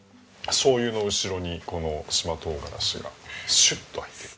しょうゆの後ろにこの島トウガラシがシュッと入ってくる。